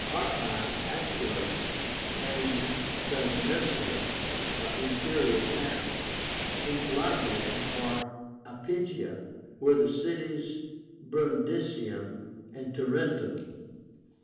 Arpi, Asculum, and Canusium are interior towns. In Calabria (or Iapygia) were the cities of Brundisium and Tarentum.